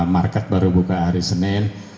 market baru buka hari senin